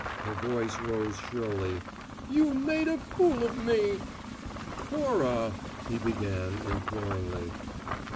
Her voice rose shrilly. "You made a fool of me!" "Cora " he began, imploringly.